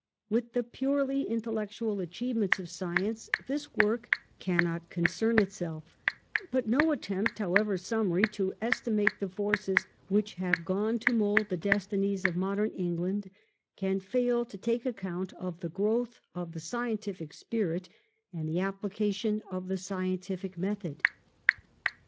With the purely intellectual achievements of Science this work cannot concern itself; but no attempt, however summary, to estimate the forces which have gone to mould the destinies of modern England can fail to take account of the growth of the scientific spirit and the appli cation of the scientific method.